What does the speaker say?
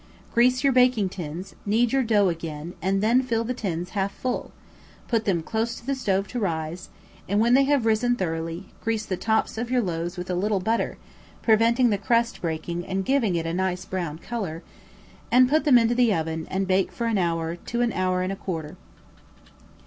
Grease your baking tins, knead your dough again, and then fill the tins half full, put them close to the stove to rise, and when they have risen thoroughly, grease the tops of your loaves with a little butter (preventing the crust breaking and giving it a nice brown colour) and put them into the oven and bake for an hour to an hour and a quarter.